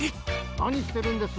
なにしてるんです？